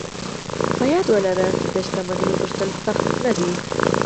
په ياد ولرئ چې د شتمنۍ غوښتل سخت نه دي.